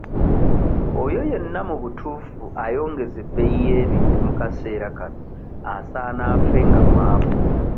Oyo yenna mu butuufu ayongeza ebbeeyi y'ebintu mu kaseera kano asaana afe nga mwavu.